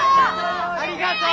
ありがとう！